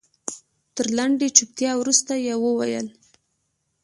تر لنډې چوپتيا وروسته يې وويل.